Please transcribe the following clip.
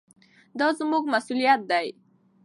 دا زموږ مسؤلیت دی.